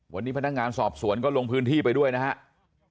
วันนี้พนักงานสอบสวนก็ลงพื้นที่ไปด้วยนะครับ